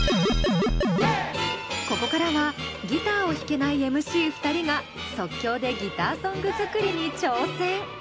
ここからはギターを弾けないＭＣ２人が即興でギターソング作りに挑戦！